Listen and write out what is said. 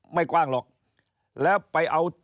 มาถึงกลางสิ้น